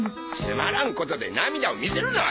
つまらんことで涙を見せるな。